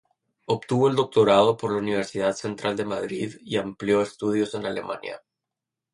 Obtuvo el doctorado por la Universidad Central de Madrid, y amplió estudios en Alemania.